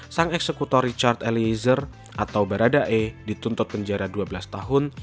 sang eksekutor richard eliezer atau baradae dituntut penjara dua belas tahun